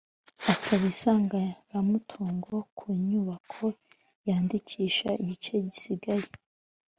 asaba isangiramutungo ku nyubako yandikisha igice gisigaye